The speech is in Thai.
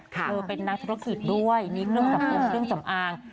เธอเป็นนักธุรกิจด้วยมีเครื่องสำอางเครื่องสำอาง